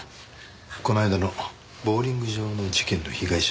この間のボウリング場の事件の被害者